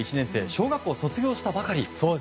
小学校を卒業したばかり。